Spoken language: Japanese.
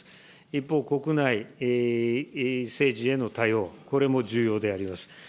一方、国内政治への対応、これも重要であります。